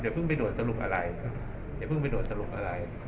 อย่าเพิ่งไปโดดสรุปอะไร